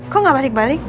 kok gak balik balik